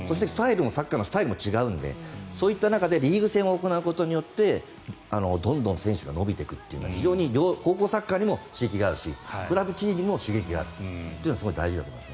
サッカーのスタイルも違うのでそういった中でリーグ戦を行うことでどんどん選手が伸びていくっていうのは非常に高校サッカーにも刺激があるしクラブチームにも刺激があるというのはすごい大事だと思います。